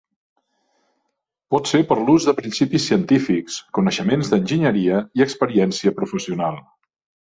Pot ser per l'ús de principis científics, coneixements d'enginyeria i experiència professional.